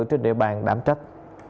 trên địa bàn đảm trách